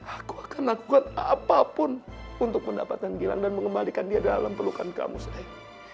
aku akan lakukan apapun untuk mendapatkan gilang dan mengembalikan dia dalam pelukan kamu saya